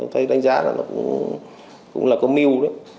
tôi đánh giá là cũng là có mưu